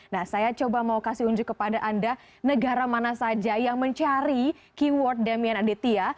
nah saya coba mau kasih unjuk kepada anda negara mana saja yang mencari keyword damien aditya